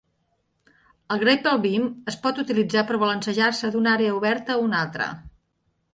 El "Grapple Beam" es pot utilitzar per balancejar-se d'una àrea oberta a una altra.